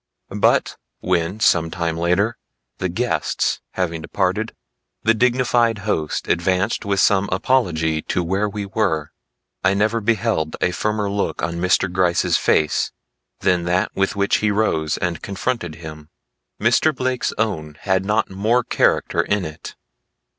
But when some time later, the guests having departed, the dignified host advanced with some apology to where we were, I never beheld a firmer look on Mr. Gryce's face than that with which he rose and confronted him. Mr. Blake's own had not more character in it.